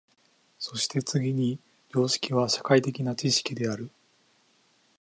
そして次に常識は社会的な知識である。